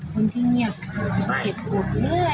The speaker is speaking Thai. แฟนหนูเขาเป็นคนเชื่อคุ้มง่าย